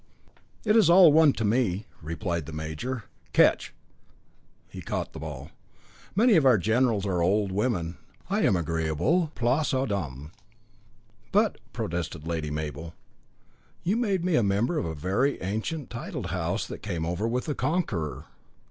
"It is all one to me," replied the major, "catch" he caught the ball. "Many of our generals are old women. I am agreeable. Place aux dames." "But," protested Lady Mabel, "you made me a member of a very ancient titled house that came over with the Conqueror."